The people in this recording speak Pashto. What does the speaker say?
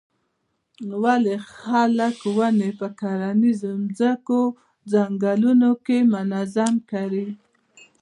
ولې خلک ونې په کرنیزو ځمکو څنګونو کې منظم کري.